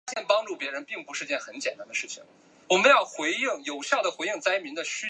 她从小就感觉父母的关心总是落在哥哥一个人的身上。